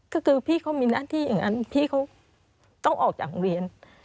ก็คือพี่เขามีหน้าที่อย่างนั้นพี่เขาต้องออกจากโรงเรียน